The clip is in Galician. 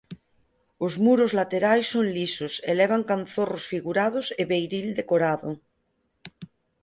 Os muros laterais son lisos e levan canzorros figurados e beiril decorado.